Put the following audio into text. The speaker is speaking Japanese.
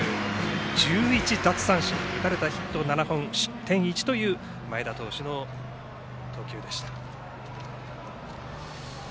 １１奪三振打たれたヒットは７本失点１という前田投手の投球でした。